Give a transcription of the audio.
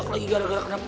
turunnya langsung kan